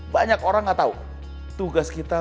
banyak orang gak tau tugas kita